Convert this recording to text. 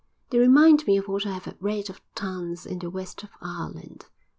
They remind me of what I have read of towns in the west of Ireland.